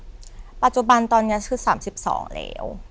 ใช่ค่ะปัจจุบันตอนนี้คือ๓๒แล้ว